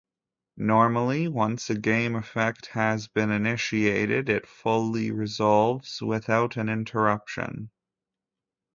Normally, once a game effect has been initiated, it fully resolves without an interruption.